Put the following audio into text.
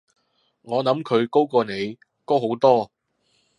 我諗佢高過你，高好多